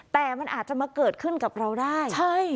แต่มันอาจจะมาเกิดขึ้นกับเราได้ใช่